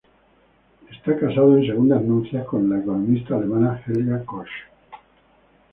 Es casado en segundas nupcias con la economista alemana Helga Koch.